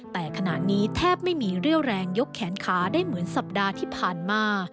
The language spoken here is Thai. แต่ขณะนี้แทบไม่มีเรี่ยวแรงยกแขนขาได้เหมือนสัปดาห์ที่ผ่านมา